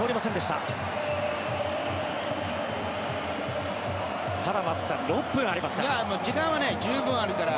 ただ、松木さん６分ありますから。